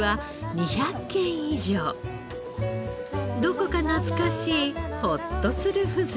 どこか懐かしいホッとする風情。